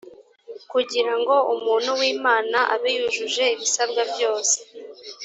kugira ngo umuntu w imana abe yujuje ibisabwa byose